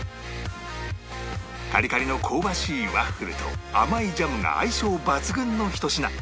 カリカリの香ばしいワッフルと甘いジャムが相性抜群のひと品